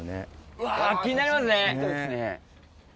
うわー、気になりますね。